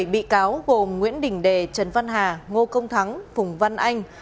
bảy bị cáo gồm nguyễn đình đề trần văn hà ngô công thắng phùng văn anh